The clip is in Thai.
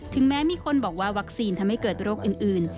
แม้มีคนบอกว่าวัคซีนทำให้เกิดโรคอื่น